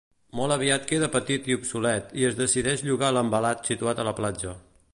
Molt aviat queda petit i obsolet i es decideix llogar l'envelat situat a la platja.